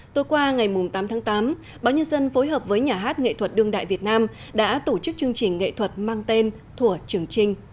tối qua ngày tám tháng tám báo nhân dân phối hợp với nhà hát nghệ thuật đương đại việt nam đã tổ chức chương trình nghệ thuật mang tên thủa trường trinh